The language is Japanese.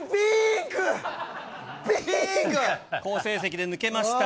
好成績で抜けました。